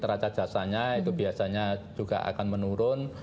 neraca jasanya itu biasanya juga akan menurun